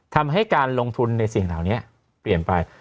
ทำให้การลงทุนในสิ่งเหล่านี้เปลี่ยนไป